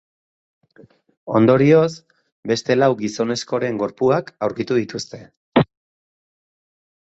Ondorioz, beste lau gizonezkoren gorpuak aurkitu dituzte.